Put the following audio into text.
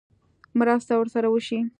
مرسته ورسره وشي.